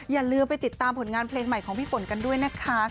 อย่าลืมไปติดตามผลงานเพลงใหม่ของพี่ฝนกันด้วยนะคะ